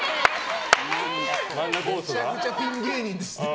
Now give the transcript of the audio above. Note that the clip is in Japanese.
めちゃくちゃピン芸人ですね。